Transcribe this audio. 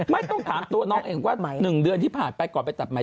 ไม่ต้องถามตัวน้องเองว่า๑เดือนที่ผ่านไปก่อนไปตัดใหม่